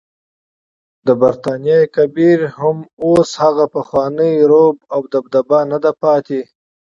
د برټانیا کبیر هم اوس هغه پخوانی رعب او دبدبه نده پاتې.